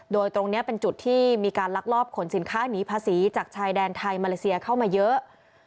โดยตรงนี้เป็นจุดที่มีการลักลอบขนสินค้าหนีภาษีจากชายแดนไทยมาเลเซียเข้ามาเยอะ